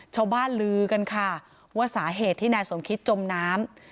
ลือกันค่ะว่าสาเหตุที่นายสมคิตจมน้ำ